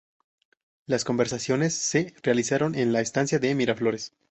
Las conversaciones se realizaron en la estancia de Miraflores.